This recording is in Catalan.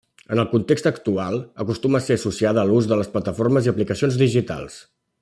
En el context actual acostuma a estar associada a l'ús de plataformes i aplicacions digitals.